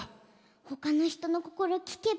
他の人の心、聞けば。